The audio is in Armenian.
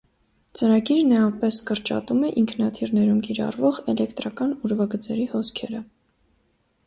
Ծրագիրն էապես կրճատում է ինքնաթիռներում կիրառվող էլեկտրական ուրվագծերի հոսքերը։